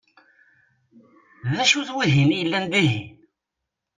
D acu-t wihin i yellan dihin?